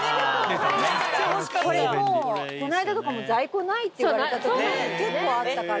これも、この間とかも在庫ないっていわれたこと、結構あったから。